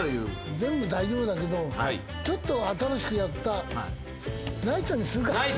全部大丈夫だけどちょっと新しくやったナイツにするか。